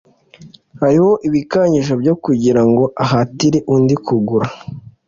hariho ibikangisho byo kugira ngo ahatire undi kugura